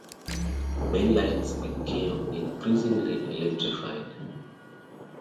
Main lines became increasingly electrified.